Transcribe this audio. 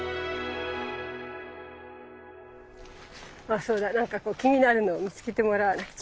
あそうだ。何かこう気になるのを見つけてもらわなくちゃ。